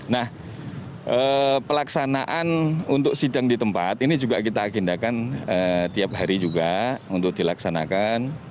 nah pelaksanaan untuk sidang di tempat ini juga kita agendakan tiap hari juga untuk dilaksanakan